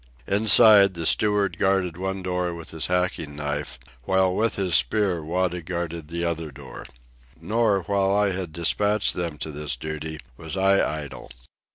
Inside, the steward guarded one door with his hacking knife, while with his spear Wada guarded the other door. Nor, while I had dispatched them to this duty, was I idle.